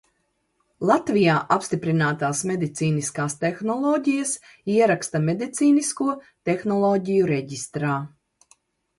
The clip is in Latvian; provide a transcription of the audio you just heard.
Latvijā apstiprinātās medicīniskās tehnoloģijas ieraksta Medicīnisko tehnoloģiju reģistrā.